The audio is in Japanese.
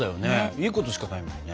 いいことしかないもんね。